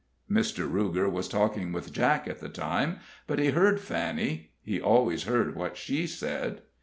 Mr. Ruger was talking with Jack at the time, but he heard Fanny he always heard what she said.